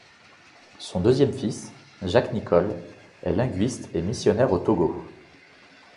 Son deuxième fils, Jacques Nicole, est linguiste et missionnaire au Togo.